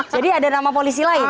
jadi ada nama polisi lain